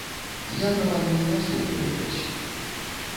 Я прапаную наступную версію.